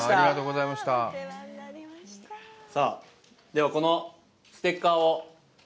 では、このステッカーを。